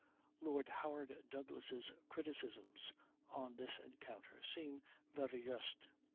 Lord Howard Douglass' criticisms on this encounter seem very just.